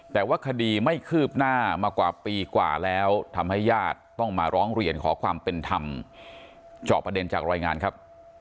แต่ว่าคดีไม่คืบหน้ามากว่าปีกว่าแล้วทำให้ญาติต้องมาร้องเรียนขอความเป็นธรรมเจาะประเด็นจากรายงานครับ